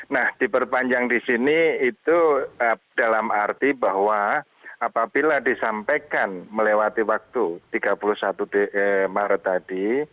nah diperpanjang di sini itu dalam arti bahwa apabila disampaikan melewati waktu tiga puluh satu maret tadi